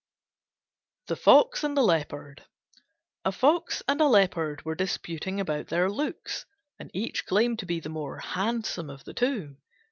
THE FOX AND THE LEOPARD A Fox and a Leopard were disputing about their looks, and each claimed to be the more handsome of the two.